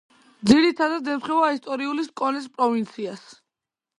ძირითადად ემთხვევა ისტორიული სკონეს პროვინციას.